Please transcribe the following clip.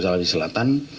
eh sulawesi selatan